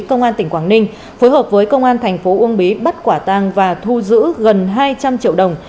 công an tỉnh quảng ninh phối hợp với công an thành phố uông bí bắt quả tang và thu giữ gần hai trăm linh triệu đồng